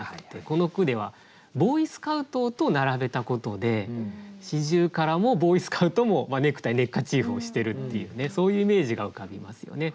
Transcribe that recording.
この句では「ボウイスカウト」と並べたことで「四十雀」も「ボウイスカウト」もネクタイネッカチーフをしてるっていうねそういうイメージが浮かびますよね。